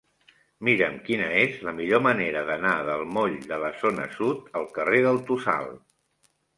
Mira'm quina és la millor manera d'anar del moll de la Zona Sud al carrer del Tossal.